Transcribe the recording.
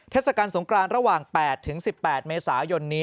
เทศกาลสงกรานระหว่าง๘๑๘เมษายนนี้